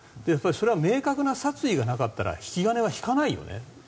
それは明確な殺意がなかったら引き金は引かないよね。